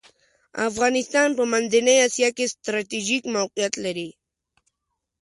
افغانستان په منځنۍ اسیا کې ستراتیژیک موقیعت لری .